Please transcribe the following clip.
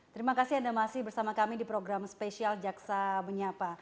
terima kasih anda masih bersama kami di program spesial jaksa menyapa